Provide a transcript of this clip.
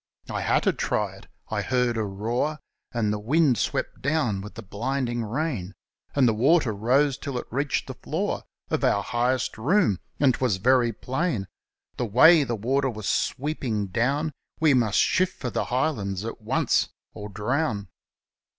I had to risk it. I heard a roar As the wind swept down and the driving rain; And the water rose till it reached the floor Of our highest room; and 'twas very plain — The way the torrent was sweeping down — We must make for the highlands at once, or drown.